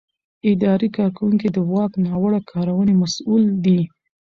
اداري کارکوونکی د واک ناوړه کارونې مسؤل دی.